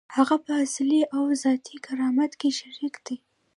هغه په اصلي او ذاتي کرامت کې شریک دی.